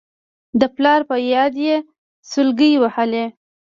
د پلار په ياد يې سلګۍ ووهلې.